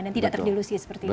dan tidak terdelusi seperti itu